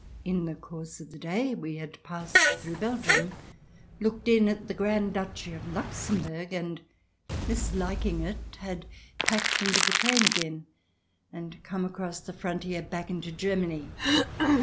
In the course of the day we had passed through Belgium, looked in at the Grand duchy of Luxembourg, and, misliking it, had packed into the train again and come across the frontier back into Germany.